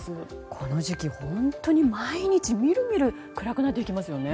この時期、本当に毎日みるみる暗くなっていきますよね。